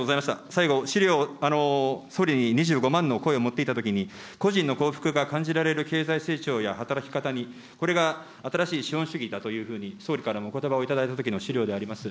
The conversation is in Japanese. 最後、資料、総理に２５万の声を持っていったときに、個人の幸福が感じられる経済成長や、働き方にこれが新しい資本主義だというふうに総理からのおことばを頂いたときの資料であります。